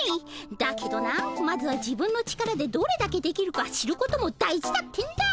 だけどなまずは自分の力でどれだけできるか知ることも大事だってんだ。